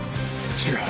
違う。